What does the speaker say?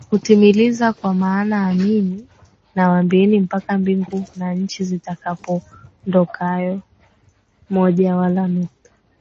kutimiliza Kwa maana amini nawaambia Mpaka mbingu na nchi zitakapoondokayodi moja wala nukta